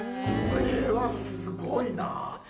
これはすごいな。